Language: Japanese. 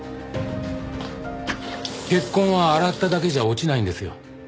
血痕は洗っただけじゃ落ちないんですよ。